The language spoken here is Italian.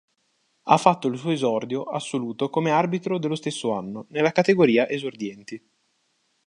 Ha fatto il suo esordio assoluto come arbitro nello stesso anno, nella categoria Esordienti.